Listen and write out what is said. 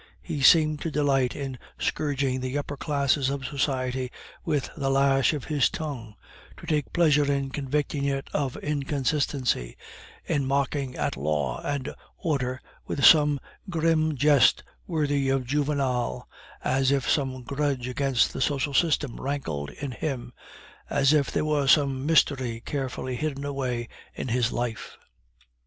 He seemed to delight in scourging the upper classes of society with the lash of his tongue, to take pleasure in convicting it of inconsistency, in mocking at law and order with some grim jest worthy of Juvenal, as if some grudge against the social system rankled in him, as if there were some mystery carefully hidden away in his life.